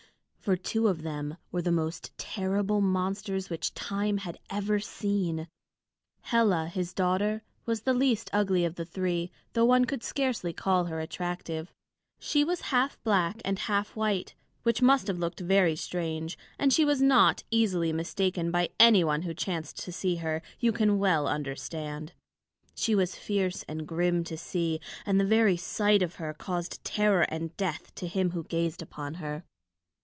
For two of them were the most terrible monsters which time had ever seen. Hela his daughter was the least ugly of the three, though one could scarcely call her attractive. She was half black and half white, which must have looked very strange; and she was not easily mistaken by any one who chanced to see her, you can well understand. She was fierce and grim to see, and the very sight of her caused terror and death to him who gazed upon her.